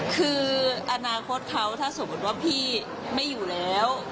คืออนาคตเขาถ้าสมมุติว่าพี่ไม่อยู่แล้ว